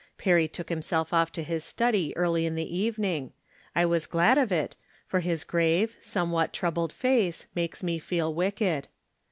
Perry took himself ofi^ to his study early in the evening. I was glad of it, for his grave, somewhat troubled face, makes me feel wicked.